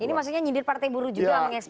ini maksudnya nyindir partai buruh juga mengeksp